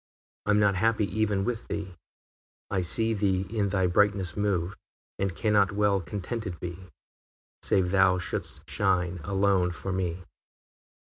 I am not happy even with thee; I see thee in thy brightness move, And cannot well contented be, Save thou should'st shine alone for me.